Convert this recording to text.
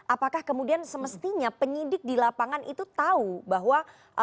apakah kemudian semestinya penyidik di lapangan itu tahu bahwa